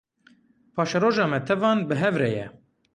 Paşeroja me tevan bi hev re ye.